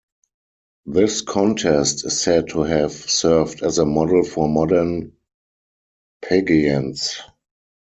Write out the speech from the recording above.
This contest is said to have served as a model for modern pageants.